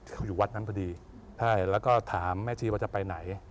เขาอยู่วัดนั้นพอดีใช่แล้วก็ถามแม่ชีว่าจะไปไหน